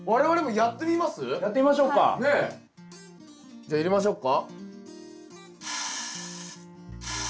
じゃあ入れましょうか。